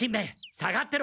下がってろ。